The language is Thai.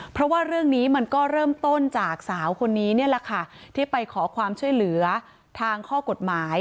เพราะว่าเรื่องนี้มันก็เริ่มต้นจากสาวคนนี้นี่แหละค่ะที่ไปขอความช่วยเหลือทางข้อกฎหมาย